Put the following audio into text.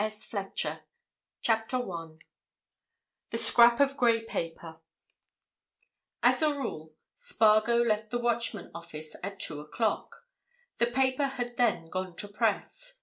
THE FINAL TELEGRAM CHAPTER ONE THE SCRAP OF GREY PAPER As a rule, Spargo left the Watchman office at two o'clock. The paper had then gone to press.